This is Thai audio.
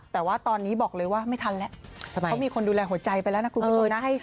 แต่ว่าตอนนี้บอกเลยว่าไม่ทันแล้วเขามีคนดูแลหัวใจไปแล้วนะคุณผู้ชมนะ